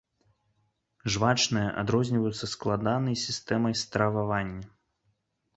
Жвачныя адрозніваюцца складанай сістэмай стрававання.